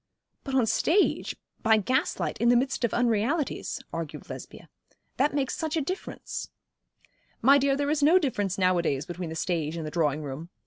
'But on the stage, by gaslight, in the midst of unrealities,' argued Lesbia. 'That makes such a difference.' 'My dear, there is no difference nowadays between the stage and the drawing room.